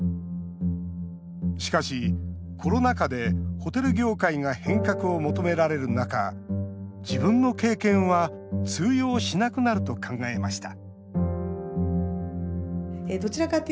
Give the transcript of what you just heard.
しかし、コロナ禍でホテル業界が変革を求められる中自分の経験は通用しなくなると考えました